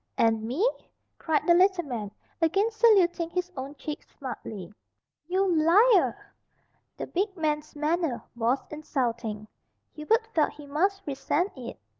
"And me!" cried the little man, again saluting his own cheek smartly. "You liar!" The big man's manner was insulting. Hubert felt he must resent it.